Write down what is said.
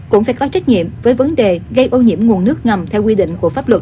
cũng phải có trách nhiệm với vấn đề gây ô nhiễm nguồn nước ngầm theo quy định của pháp luật